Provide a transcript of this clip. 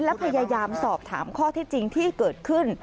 และพยายามสอบถามข้อที่จริงที่เกิดขึ้น